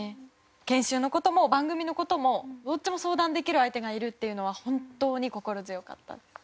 研修の事も番組の事もどっちも相談できる相手がいるっていうのは本当に心強かったです。